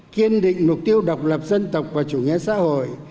kiên định mục tiêu độc lập dân tộc và chủ nghĩa xã hội